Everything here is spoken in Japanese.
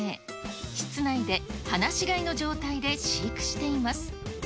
室内で放し飼いの状態で飼育しています。